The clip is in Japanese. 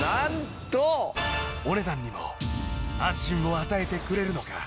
お値段にも安心を与えてくれるのか！？